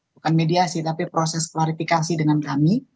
bukan mediasi tapi proses klarifikasi dengan kami